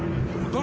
誰？